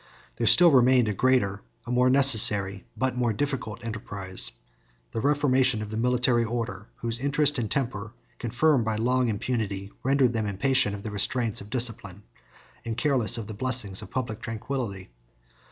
There still remained a greater, a more necessary, but a more difficult enterprise; the reformation of the military order, whose interest and temper, confirmed by long impunity, rendered them impatient of the restraints of discipline, and careless of the blessings of public tranquillity.